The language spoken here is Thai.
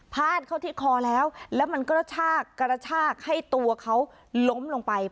ดเข้าที่คอแล้วแล้วมันก็กระชากให้ตัวเขาล้มลงไป